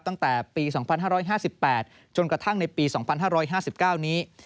ตั้งแต่ปี๒๕๕๘จนกระทั่งในปี๒๕๕๙นี้